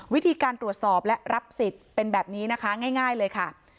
วิธีการตรวจสอบและรับสิทธิ์เป็นแบบนี้นะคะง่ายเลยค่ะ